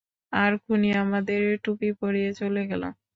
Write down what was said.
আর খুনি আমাদের টুপি পরিয়ে চলে গেলো।